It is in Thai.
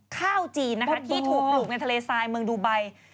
ข้าวจีนนะคะที่ถูกปลูกในทะเลทรายเมืองดูไบ